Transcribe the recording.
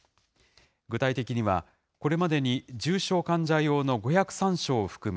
具体的には、これまでに重症患者用の５０３床を含む